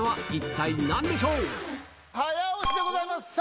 早押しでございます。